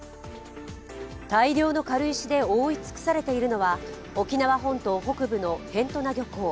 大量の軽石で覆い尽くされているのは沖縄本島北部の辺土名漁港。